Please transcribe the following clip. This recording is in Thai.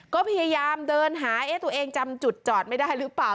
ก็พยายามเดินหาตัวเองจำจุดจอดไม่ได้หรือเปล่า